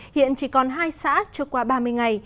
hiện chỉ còn hai xã chưa qua ba mươi ngày